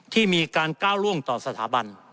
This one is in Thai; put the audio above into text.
ที่มีการก้าวล่วงต่อสถาบัน